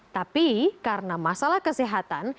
tapi karena masalah kesehatan